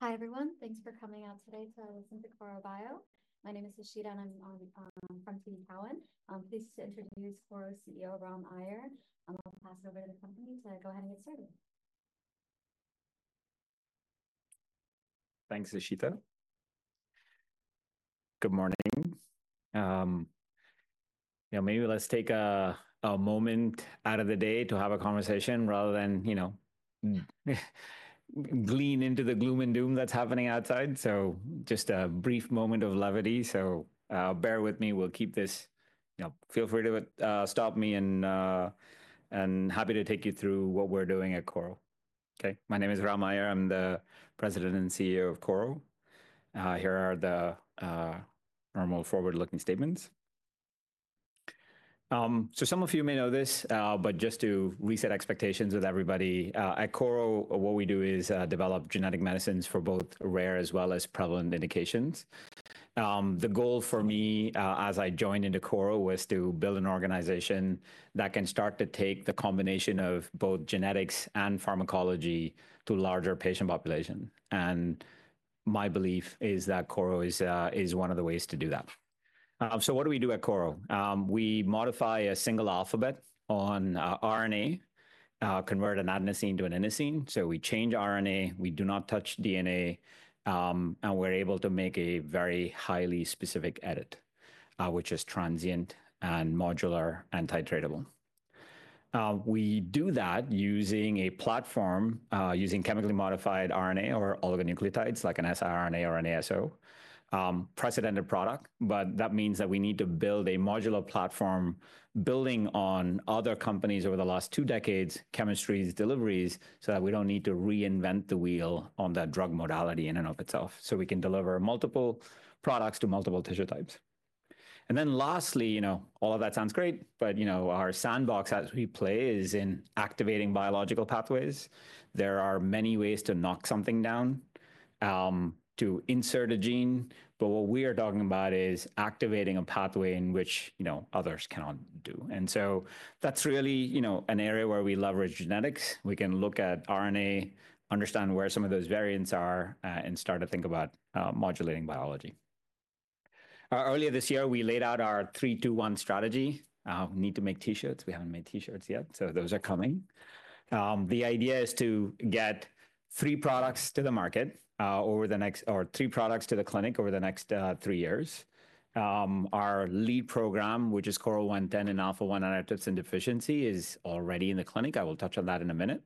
Hi everyone, thanks for coming out today to listen to Korro Bio. My name is Ishita, and I'm from TD Cowen. I'm pleased to introduce Korro's CEO, Ram Aiyar. I'll pass it over to the company to go ahead and get started. Thanks, Ishita. Good morning. Yeah, maybe let's take a moment out of the day to have a conversation rather than, you know, glean into the gloom and doom that's happening outside. Just a brief moment of levity. Bear with me. We'll keep this, you know, feel free to stop me, and I'm happy to take you through what we're doing at Korro. Okay, my name is Ram Aiyar. I'm the President and CEO of Korro. Here are the normal forward-looking statements. Some of you may know this, but just to reset expectations with everybody, at Korro, what we do is develop genetic medicines for both rare as well as prevalent indications. The goal for me as I joined into Korro was to build an organization that can start to take the combination of both genetics and pharmacology to a larger patient population. My belief is that Korro is one of the ways to do that. What do we do at Korro? We modify a single alphabet on RNA, convert an adenosine to an inosine. We change RNA, we do not touch DNA, and we're able to make a very highly specific edit, which is transient and modular and titratable. We do that using a platform, using chemically modified RNA or oligonucleotides like an siRNA or an ASO, precedented product. That means that we need to build a modular platform, building on other companies over the last two decades' chemistry deliveries so that we don't need to reinvent the wheel on that drug modality in and of itself. We can deliver multiple products to multiple tissue types. Lastly, you know, all of that sounds great, but you know, our sandbox, as we play, is in activating biological pathways. There are many ways to knock something down, to insert a gene, but what we are talking about is activating a pathway in which, you know, others cannot do. That is really, you know, an area where we leverage genetics. We can look at RNA, understand where some of those variants are, and start to think about modulating biology. Earlier this year, we laid out our 3-2-1 strategy. We need to make T-shirts. We have not made T-shirts yet, so those are coming. The idea is to get three products to the clinic over the next three years. Our lead program, which is KRRO-110 and Alpha-1 antitrypsin deficiency, is already in the clinic. I will touch on that in a minute.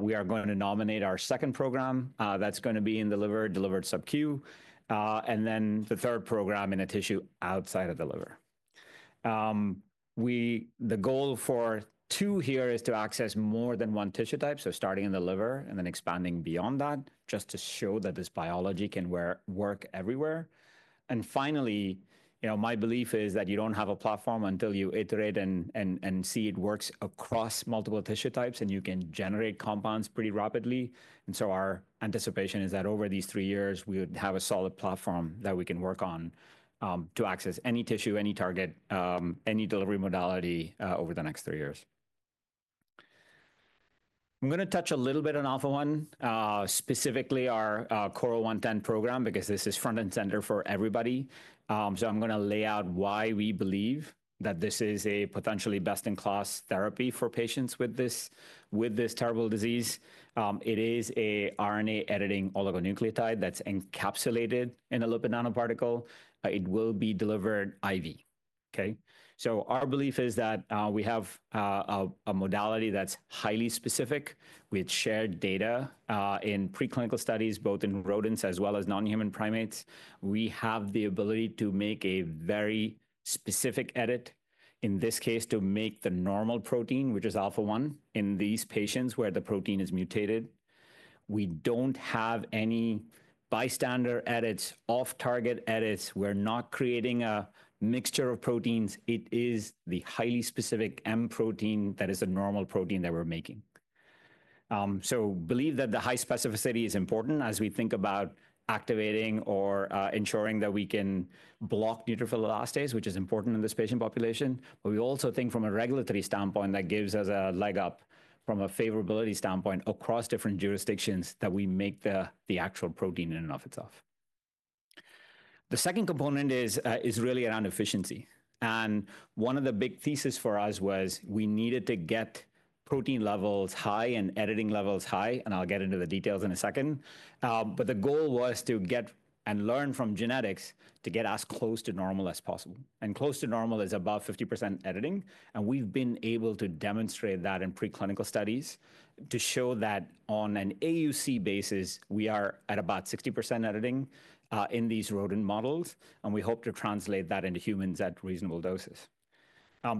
We are going to nominate our second program that's going to be in the liver, delivered sub-Q, and then the third program in a tissue outside of the liver. The goal for two here is to access more than one tissue type, starting in the liver and then expanding beyond that just to show that this biology can work everywhere. Finally, you know, my belief is that you don't have a platform until you iterate and see it works across multiple tissue types, and you can generate compounds pretty rapidly. Our anticipation is that over these three years, we would have a solid platform that we can work on to access any tissue, any target, any delivery modality over the next three years. I'm going to touch a little bit on Alpha-1, specifically our KRRO-110 program, because this is front and center for everybody. I'm going to lay out why we believe that this is a potentially best-in-class therapy for patients with this terrible disease. It is an RNA-editing oligonucleotide that's encapsulated in a lipid nanoparticle. It will be delivered IV. Our belief is that we have a modality that's highly specific. We had shared data in preclinical studies, both in rodents as well as non-human primates. We have the ability to make a very specific edit, in this case to make the normal protein, which is Alpha-1 in these patients where the protein is mutated. We don't have any bystander edits, off-target edits. We're not creating a mixture of proteins. It is the highly specific M protein that is a normal protein that we're making. I believe that the high specificity is important as we think about activating or ensuring that we can block neutrophil elastase, which is important in this patient population. We also think from a regulatory standpoint that gives us a leg up from a favorability standpoint across different jurisdictions that we make the actual protein in and of itself. The second component is really around efficiency. One of the big theses for us was we needed to get protein levels high and editing levels high, and I'll get into the details in a second. The goal was to get and learn from genetics to get as close to normal as possible. Close to normal is about 50% editing. We've been able to demonstrate that in preclinical studies to show that on an AUC basis, we are at about 60% editing in these rodent models. We hope to translate that into humans at reasonable doses.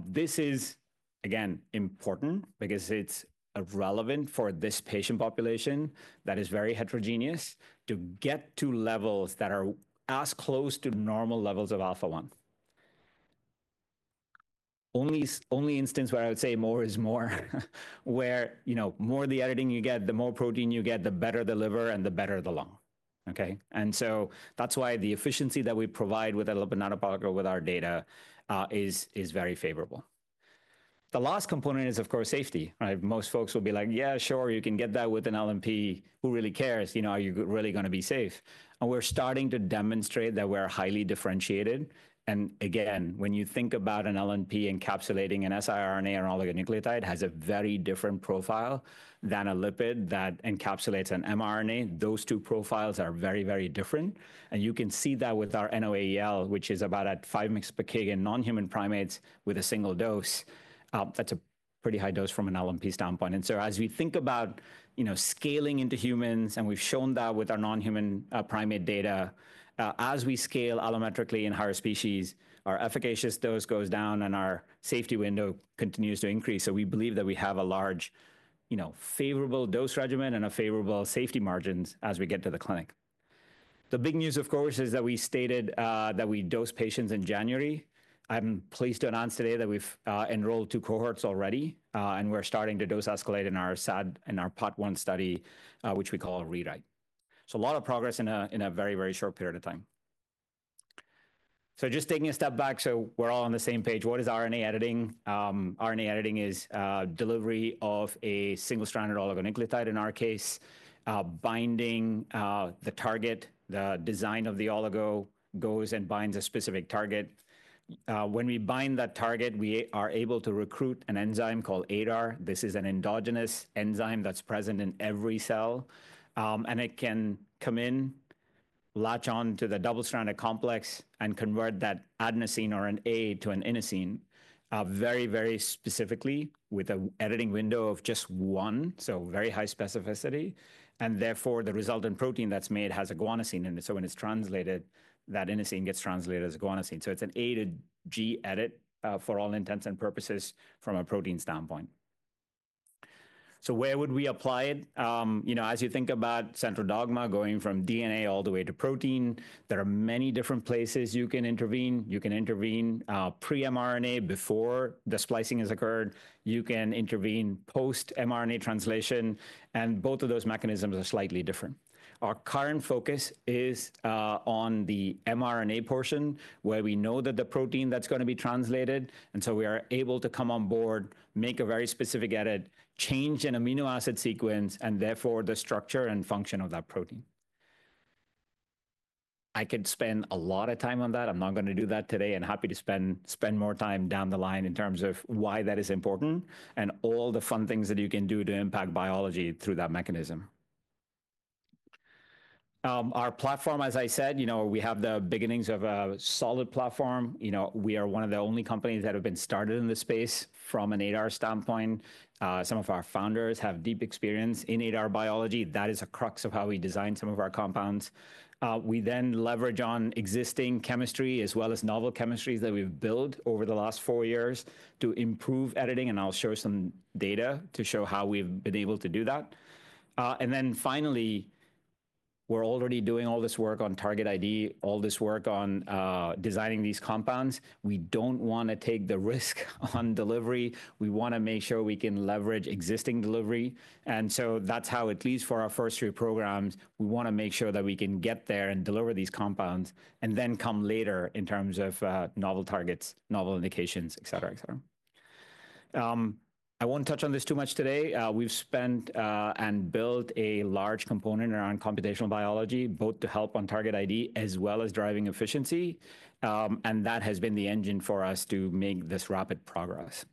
This is, again, important because it is relevant for this patient population that is very heterogeneous to get to levels that are as close to normal levels of Alpha-1. Only instance where I would say more is more, where, you know, the more editing you get, the more protein you get, the better the liver and the better the lung. That is why the efficiency that we provide with a lipid nanoparticle with our data is very favorable. The last component is, of course, safety. Most folks will be like, "Yeah, sure, you can get that with an LNP. Who really cares? You know, are you really going to be safe?" We are starting to demonstrate that we are highly differentiated. Again, when you think about an LNP encapsulating an siRNA or an oligonucleotide, it has a very different profile than a lipid that encapsulates an mRNA. Those two profiles are very, very different. You can see that with our NOAEL, which is at about 5 mg per kg in non-human primates with a single dose. That is a pretty high dose from an LNP standpoint. As we think about, you know, scaling into humans, and we have shown that with our non-human primate data, as we scale allometrically in higher species, our efficacious dose goes down and our safety window continues to increase. We believe that we have a large, you know, favorable dose regimen and favorable safety margins as we get to the clinic. The big news, of course, is that we stated that we dosed patients in January. I'm pleased to announce today that we've enrolled two cohorts already, and we're starting to dose escalate in our SAD and our Part 1 study, which we call REWRITE. A lot of progress in a very, very short period of time. Just taking a step back, so we're all on the same page. What is RNA editing? RNA editing is delivery of a single-stranded oligonucleotide in our case, binding the target. The design of the oligo goes and binds a specific target. When we bind that target, we are able to recruit an enzyme called ADAR. This is an endogenous enzyme that's present in every cell. It can come in, latch on to the double-stranded complex, and convert that adenosine or an A to an inosine very, very specifically with an editing window of just one, so very high specificity. Therefore, the resultant protein that's made has a guanosine in it. When it's translated, that inosine gets translated as guanosine. It's an A to G edit for all intents and purposes from a protein standpoint. Where would we apply it? You know, as you think about central dogma going from DNA all the way to protein, there are many different places you can intervene. You can intervene pre-mRNA before the splicing has occurred. You can intervene post-mRNA translation. Both of those mechanisms are slightly different. Our current focus is on the mRNA portion where we know that the protein that's going to be translated. We are able to come on board, make a very specific edit, change an amino acid sequence, and therefore the structure and function of that protein. I could spend a lot of time on that. I'm not going to do that today and happy to spend more time down the line in terms of why that is important and all the fun things that you can do to impact biology through that mechanism. Our platform, as I said, you know, we have the beginnings of a solid platform. You know, we are one of the only companies that have been started in the space from an ADAR standpoint. Some of our founders have deep experience in ADAR biology. That is a crux of how we design some of our compounds. We then leverage on existing chemistry as well as novel chemistries that we've built over the last four years to improve editing. I'll show some data to show how we've been able to do that. Finally, we're already doing all this work on target ID, all this work on designing these compounds. We don't want to take the risk on delivery. We want to make sure we can leverage existing delivery. That is how, at least for our first three programs, we want to make sure that we can get there and deliver these compounds and then come later in terms of novel targets, novel indications, et cetera, et cetera. I won't touch on this too much today. We've spent and built a large component around computational biology, both to help on target ID as well as driving efficiency. That has been the engine for us to make this rapid progress.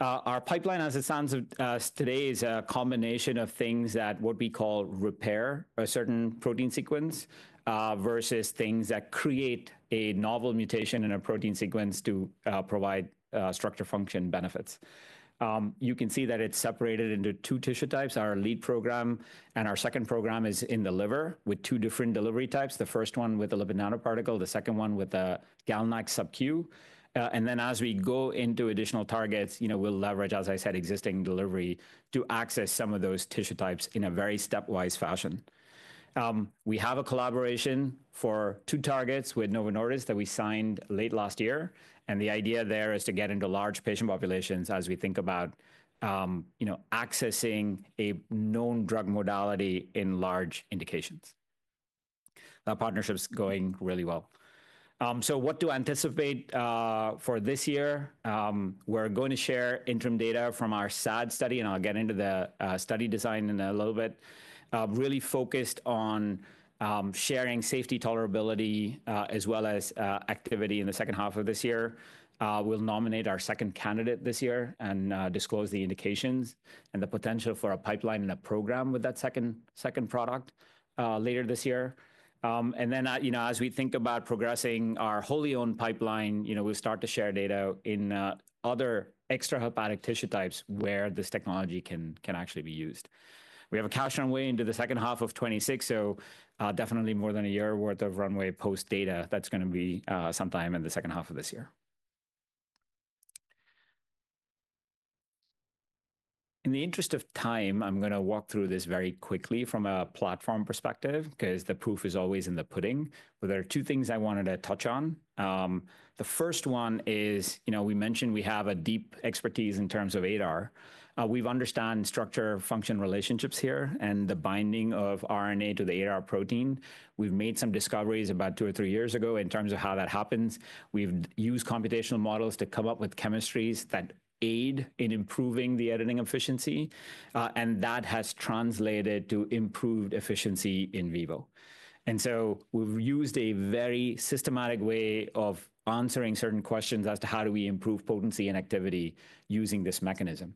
Our pipeline, as it stands today, is a combination of things that we call repair a certain protein sequence versus things that create a novel mutation in a protein sequence to provide structure function benefits. You can see that it's separated into two tissue types. Our lead program and our second program is in the liver with two different delivery types. The first one with a lipid nanoparticle, the second one with a GalNac sub-Q. As we go into additional targets, you know, we'll leverage, as I said, existing delivery to access some of those tissue types in a very stepwise fashion. We have a collaboration for two targets with Novo Nordisk that we signed late last year. The idea there is to get into large patient populations as we think about, you know, accessing a known drug modality in large indications. That partnership's going really well. What do I anticipate for this year? We're going to share interim data from our SAD study, and I'll get into the study design in a little bit, really focused on sharing safety tolerability as well as activity in the second half of this year. We'll nominate our second candidate this year and disclose the indications and the potential for a pipeline and a program with that second product later this year. You know, as we think about progressing our wholly owned pipeline, you know, we'll start to share data in other extra hepatic tissue types where this technology can actually be used. We have a cash runway into the second half of 2026, so definitely more than a year's worth of runway post-data that's going to be sometime in the second half of this year. In the interest of time, I'm going to walk through this very quickly from a platform perspective because the proof is always in the pudding. There are two things I wanted to touch on. The first one is, you know, we mentioned we have a deep expertise in terms of ADAR. We've understood structure function relationships here and the binding of RNA to the ADAR protein. We've made some discoveries about two or three years ago in terms of how that happens. We've used computational models to come up with chemistries that aid in improving the editing efficiency. That has translated to improved efficiency in vivo. We've used a very systematic way of answering certain questions as to how do we improve potency and activity using this mechanism.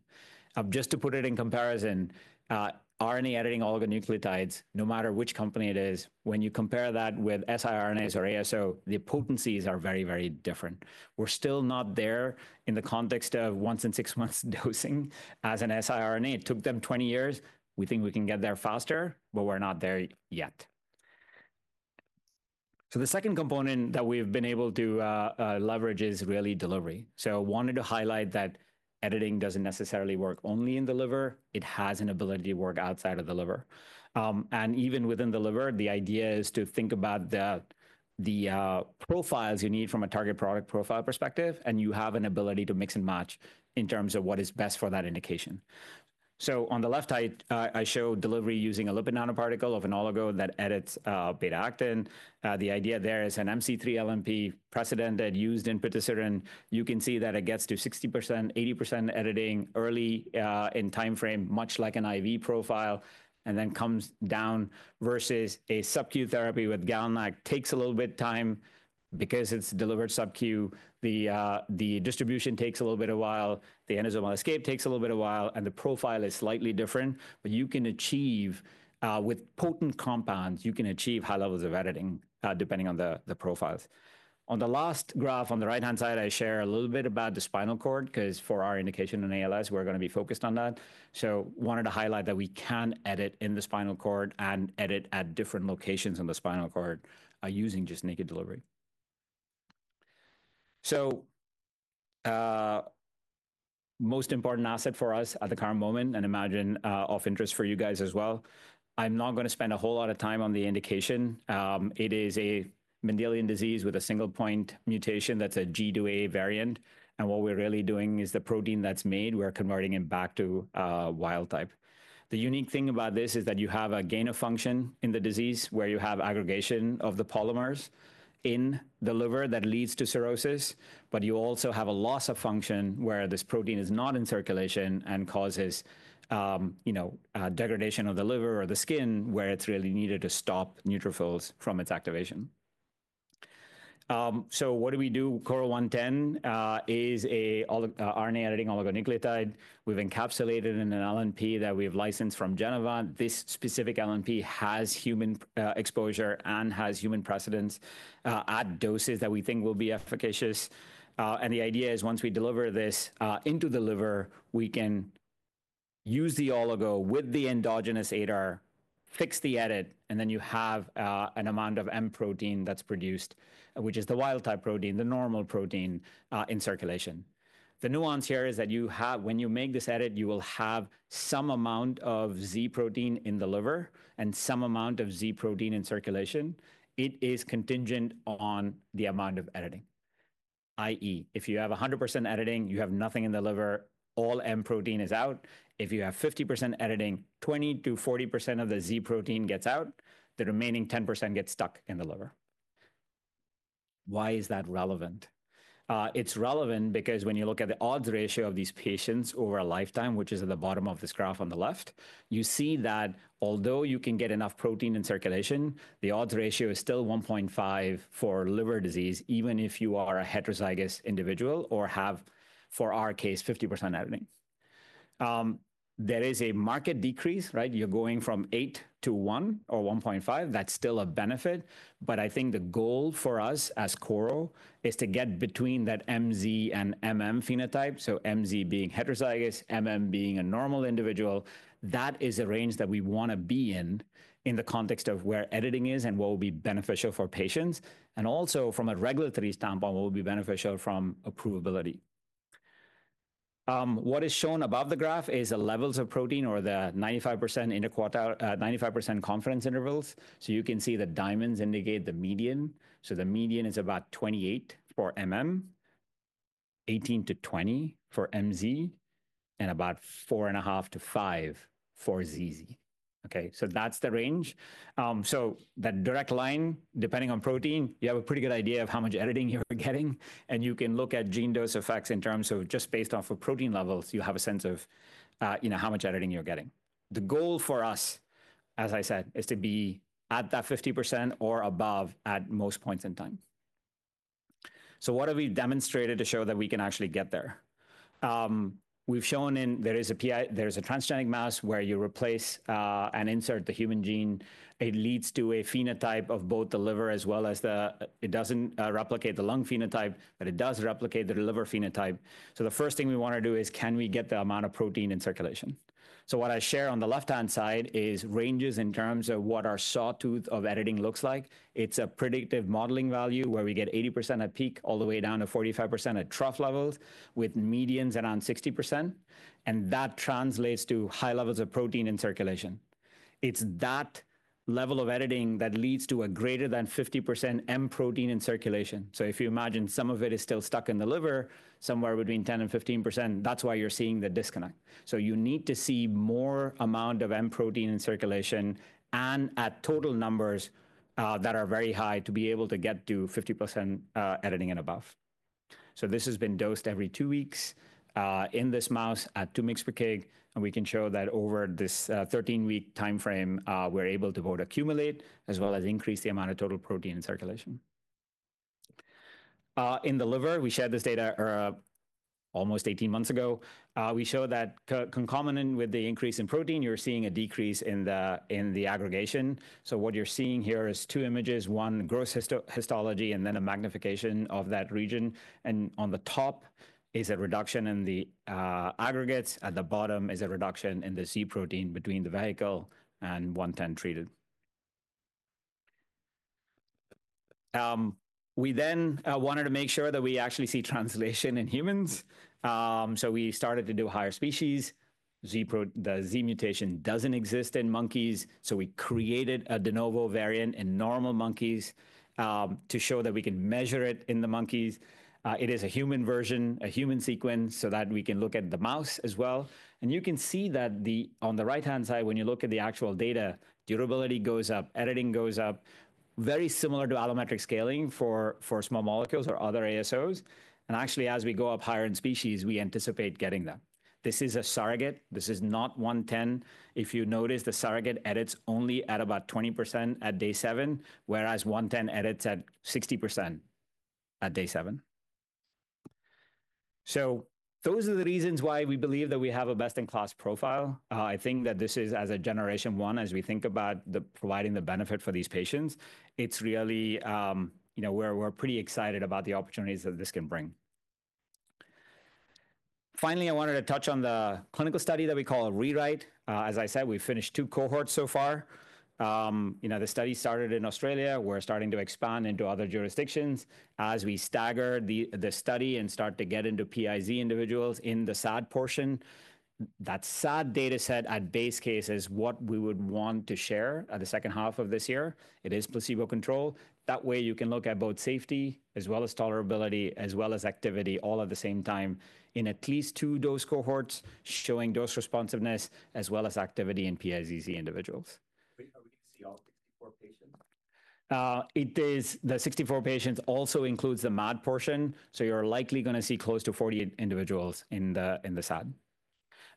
Just to put it in comparison, RNA-editing oligonucleotides, no matter which company it is, when you compare that with siRNA or ASO, the potencies are very, very different. We're still not there in the context of once-in-six-months dosing as an siRNA. It took them 20 years. We think we can get there faster, but we're not there yet. The second component that we've been able to leverage is really delivery. I wanted to highlight that editing does not necessarily work only in the liver. It has an ability to work outside of the liver. Even within the liver, the idea is to think about the profiles you need from a target product profile perspective, and you have an ability to mix and match in terms of what is best for that indication. On the left side, I show delivery using a lipid nanoparticle of an oligo that edits beta-actin. The idea there is an MC3 LNP precedented used in Patisiran. You can see that it gets to 60%-80% editing early in timeframe, much like an IV profile, and then comes down versus a sub-Q therapy with GalNAc. It takes a little bit of time because it's delivered sub-Q. The distribution takes a little bit of while. The enzyme escape takes a little bit of while, and the profile is slightly different. You can achieve, with potent compounds, high levels of editing depending on the profiles. On the last graph on the right-hand side, I share a little bit about the spinal cord because for our indication in ALS, we're going to be focused on that. I wanted to highlight that we can edit in the spinal cord and edit at different locations in the spinal cord using just naked delivery. The most important asset for us at the current moment and, I imagine, of interest for you guys as well. I'm not going to spend a whole lot of time on the indication. It is a Mendelian disease with a single-point mutation that's a G2A variant. What we're really doing is the protein that's made, we're converting it back to wild type. The unique thing about this is that you have a gain of function in the disease where you have aggregation of the polymers in the liver that leads to cirrhosis. You also have a loss of function where this protein is not in circulation and causes, you know, degradation of the liver or the skin where it's really needed to stop neutrophils from its activation. What do we do? KRRO-110 is an RNA-editing oligonucleotide. We've encapsulated it in an LNP that we've licensed from Genevant Sciences. This specific LNP has human exposure and has human precedence at doses that we think will be efficacious. The idea is once we deliver this into the liver, we can use the oligo with the endogenous ADAR, fix the edit, and then you have an amount of M protein that's produced, which is the wild-type protein, the normal protein in circulation. The nuance here is that you have, when you make this edit, you will have some amount of Z protein in the liver and some amount of Z protein in circulation. It is contingent on the amount of editing, i.e., if you have 100% editing, you have nothing in the liver. All M protein is out. If you have 50% editing, 20%-40% of the Z protein gets out. The remaining 10% gets stuck in the liver. Why is that relevant? It's relevant because when you look at the odds ratio of these patients over a lifetime, which is at the bottom of this graph on the left, you see that although you can get enough protein in circulation, the odds ratio is still 1.5 for liver disease, even if you are a heterozygous individual or have, for our case, 50% editing. There is a market decrease, right? You're going from 8 to 1 or 1.5. That's still a benefit. I think the goal for us as Korro is to get between that MZ and phenotype. MZ being heterozygous, being a normal individual, that is a range that we want to be in, in the context of where editing is and what will be beneficial for patients. Also from a regulatory standpoint, what will be beneficial from approvability. What is shown above the graph is the levels of protein or the 95% interquartile, 95% confidence intervals. You can see the diamonds indicate the median. The median is about 28 for 18-20 for MZ, and about 4.5-5 for ZZ. That is the range. That direct line, depending on protein, you have a pretty good idea of how much editing you are getting. You can look at gene dose effects in terms of just based off of protein levels, you have a sense of, you know, how much editing you are getting. The goal for us, as I said, is to be at that 50% or above at most points in time. What have we demonstrated to show that we can actually get there? We've shown in there is a transgenic mouse where you replace and insert the human gene. It leads to a phenotype of both the liver as well as the, it doesn't replicate the lung phenotype, but it does replicate the liver phenotype. The first thing we want to do is can we get the amount of protein in circulation? What I share on the left-hand side is ranges in terms of what our sawtooth of editing looks like. It's a predictive modeling value where we get 80% at peak all the way down to 45% at trough levels with medians around 60%. That translates to high levels of protein in circulation. It's that level of editing that leads to a greater than 50% M protein in circulation. If you imagine some of it is still stuck in the liver, somewhere between 10-15%, that's why you're seeing the disconnect. You need to see more amount of M protein in circulation and at total numbers that are very high to be able to get to 50% editing and above. This has been dosed every two weeks in this mouse at 2 mg/kg. We can show that over this 13-week timeframe, we're able to both accumulate as well as increase the amount of total protein in circulation. In the liver, we shared this data almost 18 months ago. We show that concomitant with the increase in protein, you're seeing a decrease in the aggregation. What you're seeing here is two images, one gross histology and then a magnification of that region. On the top is a reduction in the aggregates. At the bottom is a reduction in the Z protein between the vehicle and 110 treated. We then wanted to make sure that we actually see translation in humans. We started to do higher species. The Z mutation doesn't exist in monkeys. We created a de novo variant in normal monkeys to show that we can measure it in the monkeys. It is a human version, a human sequence, so that we can look at the mouse as well. You can see that on the right-hand side, when you look at the actual data, durability goes up, editing goes up, very similar to allometric scaling for small molecules or other ASOs. Actually, as we go up higher in species, we anticipate getting that. This is a surrogate. This is not 110. If you notice, the surrogate edits only at about 20% at day seven, whereas 110 edits at 60% at day seven. Those are the reasons why we believe that we have a best-in-class profile. I think that this is as a generation one, as we think about providing the benefit for these patients, it's really, you know, we're pretty excited about the opportunities that this can bring. Finally, I wanted to touch on the clinical study that we call REWRITE. As I said, we've finished two cohorts so far. You know, the study started in Australia. We're starting to expand into other jurisdictions as we stagger the study and start to get into PiZ individuals in the SAD portion. That SAD dataset at base case is what we would want to share at the second half of this year. It is placebo control. That way, you can look at both safety as well as tolerability as well as activity all at the same time in at least two dose cohorts showing dose responsiveness as well as activity in PiZ individuals. Are we going to see all 64 patients? It is the 64 patients also includes the MAD portion. You are likely going to see close to 48 individuals in the SAD.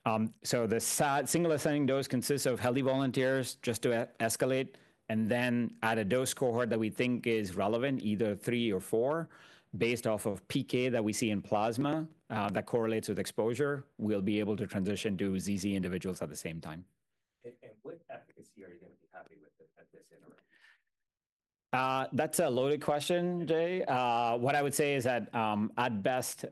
The single-assigned dose consists of healthy volunteers just to escalate and then add a dose cohort that we think is relevant, either three or four, based off of PK that we see in plasma that correlates with exposure. We will be able to transition to ZZ individuals at the same time. What efficacy are you going to be happy with at this interim? That's a loaded question, Jay. What I would say is that at best,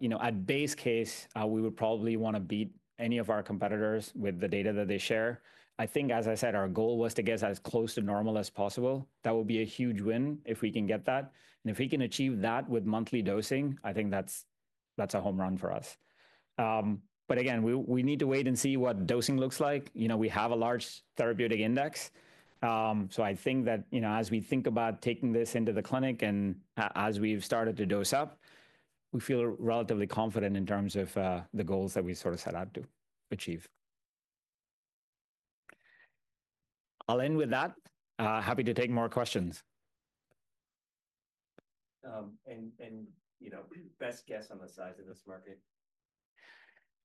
you know, at base case, we would probably want to beat any of our competitors with the data that they share. I think, as I said, our goal was to get as close to normal as possible. That would be a huge win if we can get that. If we can achieve that with monthly dosing, I think that's a home run for us. Again, we need to wait and see what dosing looks like. You know, we have a large therapeutic index. I think that, you know, as we think about taking this into the clinic and as we've started to dose up, we feel relatively confident in terms of the goals that we sort of set out to achieve. I'll end with that. Happy to take more questions. You know, best guess on the size of this market?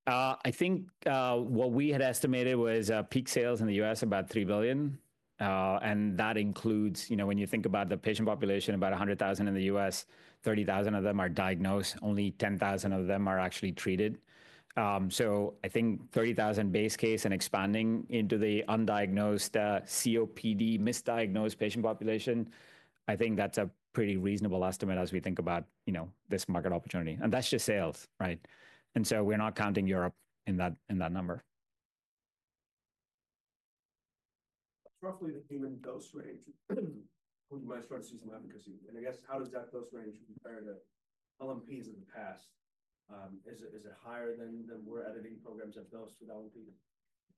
I think what we had estimated was peak sales in the U.S. about $3 billion. That includes, you know, when you think about the patient population, about 100,000 in the U.S., 30,000 of them are diagnosed, only 10,000 of them are actually treated. I think 30,000 base case and expanding into the undiagnosed COPD misdiagnosed patient population, I think that's a pretty reasonable estimate as we think about, you know, this market opportunity. That's just sales, right? We're not counting Europe in that number. That's roughly the human dose range. We might start to see some efficacy. I guess, how does that dose range compare to LNPs in the past? Is it higher than we're editing programs at those with LNPs?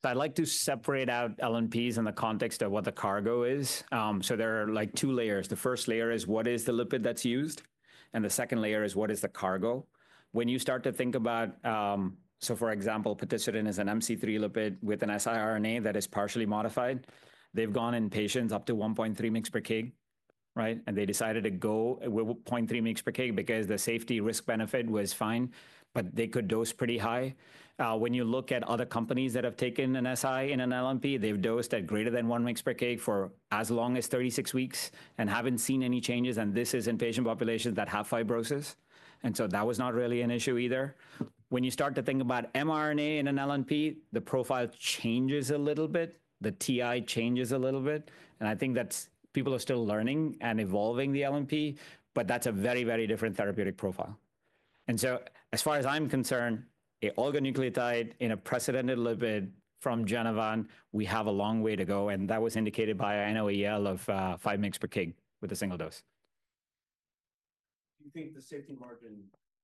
I'd like to separate out LNPs in the context of what the cargo is. There are like two layers. The first layer is what is the lipid that's used. The second layer is what is the cargo. When you start to think about, for example, Patisiran is an MC3 lipid with an siRNA that is partially modified. They've gone in patients up to 1.3 mg per kg, right? They decided to go with 0.3 mg per kg because the safety risk benefit was fine, but they could dose pretty high. When you look at other companies that have taken an siRNA in an LNP, they've dosed at greater than 1 mg per kg for as long as 36 weeks and haven't seen any changes. This is in patient populations that have fibrosis. That was not really an issue either. When you start to think about mRNA in an LNP, the profile changes a little bit. The TI changes a little bit. I think that people are still learning and evolving the LNP, but that's a very, very different therapeutic profile. As far as I'm concerned, an oligonucleotide in a precedented lipid from Genevant, we have a long way to go. That was indicated by a NOAEL of 5 mg/kg with a single dose. Do you think the safety margin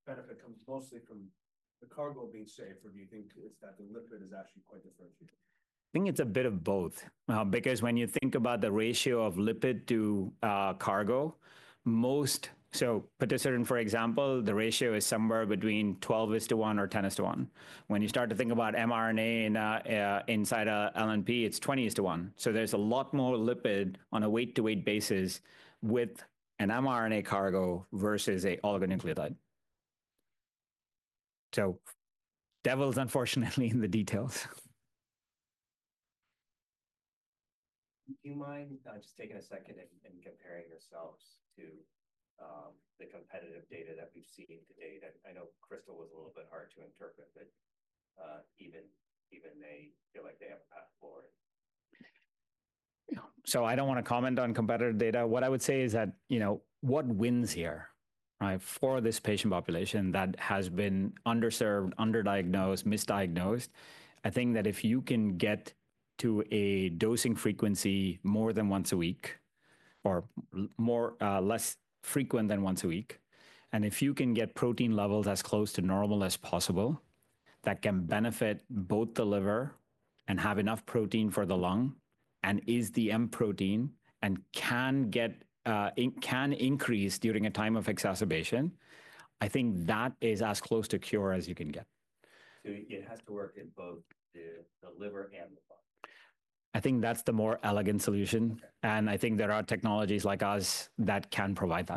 benefit comes mostly from the cargo being safe, or do you think it's that the lipid is actually quite different? I think it's a bit of both. Because when you think about the ratio of lipid to cargo, most, so Patisiran, for example, the ratio is somewhere between 12:1 or 10:1. When you start to think about mRNA inside an LNP, it's 20:1. There is a lot more lipid on a weight-to-weight basis with an mRNA cargo versus an oligonucleotide. The devil is unfortunately in the details. Do you mind just taking a second and comparing yourselves to the competitive data that we have seen today? I know Krystal was a little bit hard to interpret, but even they feel like they have a path forward. I do not want to comment on competitive data. What I would say is that, you know, what wins here, right, for this patient population that has been underserved, underdiagnosed, misdiagnosed, I think that if you can get to a dosing frequency more than once a week or more or less frequent than once a week, and if you can get protein levels as close to normal as possible that can benefit both the liver and have enough protein for the lung and is the M protein and can increase during a time of exacerbation, I think that is as close to cure as you can get. It has to work in both the liver and the lung. I think that's the more elegant solution. I think there are technologies like us that can provide that.